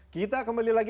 kita kembali lagi